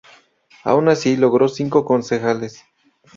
Aun así, logró cinco concejales.